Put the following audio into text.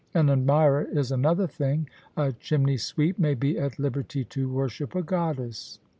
An admirer is another thing ; a chimney sweep may be at liberty to worship a goddess.